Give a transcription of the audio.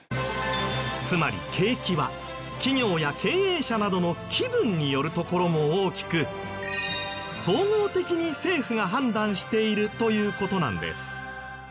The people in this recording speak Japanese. つまり景気は企業や経営者などの気分によるところも大きく総合的に政府が判断しているという事なんです。